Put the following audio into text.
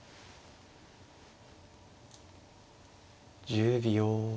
１０秒。